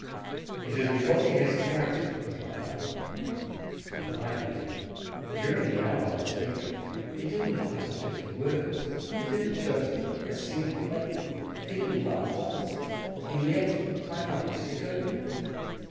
"It is because he has character," replied my father. And I added, "During the hour that I spent with him he did not utter fifty words, he did not show me a single THE BLACKSMITH'S SON 89 plaything, he did not laugh once; yet I liked to go there."